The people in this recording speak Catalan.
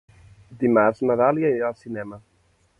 Dimarts na Dàlia irà al cinema.